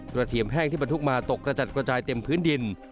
เทียมแห้งที่บรรทุกมาตกกระจัดกระจายเต็มพื้นดิน